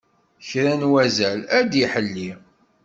Kra n wazal ad d-iḥelli.